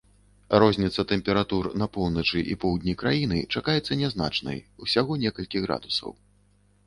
Розніца тэмператур на поўначы і поўдні краіны чакаецца нязначнай, усяго некалькі градусаў.